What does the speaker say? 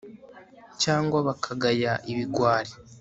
cyangwa bakagaya ibigwari